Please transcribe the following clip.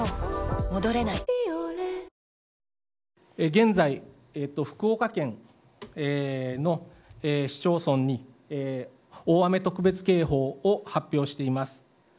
現在、福岡県の市町村に大雨特別警報を発表しています。